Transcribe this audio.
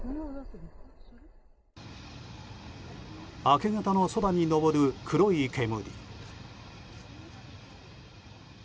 明け方の空に上る黒い煙。